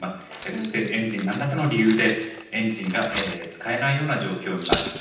そしてエンジン、なんらかの理由で、エンジンが使えないような状況になる。